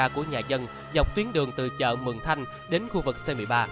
của nhà dân dọc tuyến đường từ chợ mường thanh đến khu vực c một mươi ba